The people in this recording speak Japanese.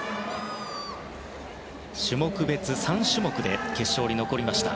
種目別、３種目で決勝に残りました。